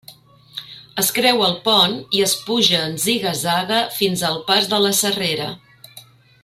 Es creua el pont i es puja en ziga-zaga fins al Pas de la Serrera.